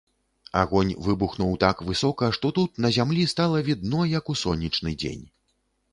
Агонь выбухнуў так высока, што тут, на зямлі, стала відно, як у сонечны дзень.